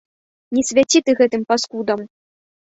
Не свяці ты гэтым паскудам!